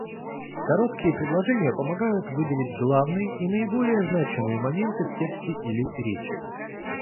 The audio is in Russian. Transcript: Короткие предложения помогают выделить главные и наиболее значимые моменты в тексте или речи.